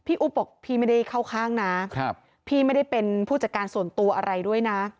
อุ๊บบอกพี่ไม่ได้เข้าข้างนะพี่ไม่ได้เป็นผู้จัดการส่วนตัวอะไรด้วยนะ